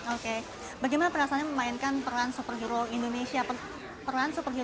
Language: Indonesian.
oke bagaimana perasaan memainkan peran superhero indonesia peran superhero wanita indonesia pertama